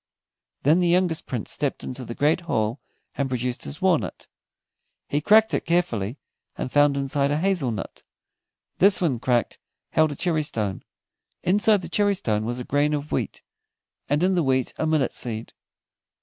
Then the youngest Prince stepped into the great hall and produced his walnut. He cracked it carefully, and found inside a hazel nut. This when cracked held a cherrystone, inside the cherrystone was a grain of wheat, and in the wheat a millet seed.